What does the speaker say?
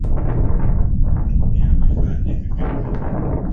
katika kuvitumia vifaa hivi vya umeme